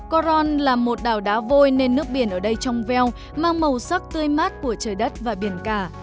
coron là một đảo đá vôi nên nước biển ở đây trong veo mang màu sắc tươi mát của trời đất và biển cả